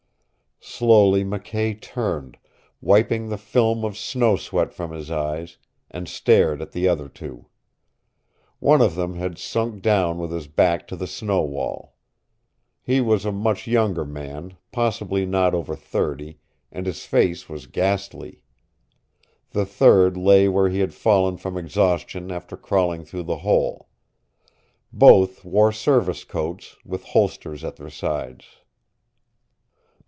Slowly McKay turned, wiping the film of snow sweat from his eyes, and stared at the other two. One of them had sunk down with his back to the snow wall. He was a much younger man, possibly not over thirty, and his face was ghastly. The third lay where he had fallen from exhaustion after crawling through the hole. Both wore service coats, with holsters at their sides.